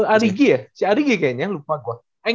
ari g ya si ari g kayaknya lupa gua